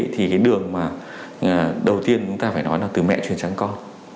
thì cái đường mà đầu tiên chúng ta phải nói là từ mẹ truyền sang con